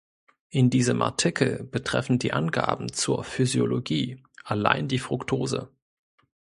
In diesem Artikel betreffen die Angaben zur Physiologie allein die -Fructose.